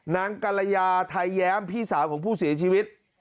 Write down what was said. กรยาไทยแย้มพี่สาวของผู้เสียชีวิต